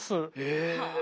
え！